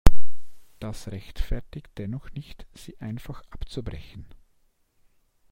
Das rechtfertigt dennoch nicht, sie einfach abzubrechen.